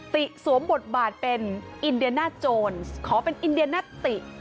สวมบทบาทเป็นอินเดียน่าโจรขอเป็นอินเดียนาติ